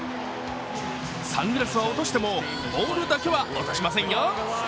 サングラスは落としても、ボールだけは落としませんよ。